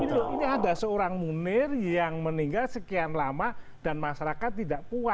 ini loh ini ada seorang munir yang meninggal sekian lama dan masyarakat tidak puas